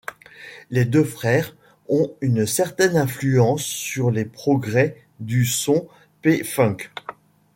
Les deux frères ont une certaine influence sur les progrès du son P-Funk.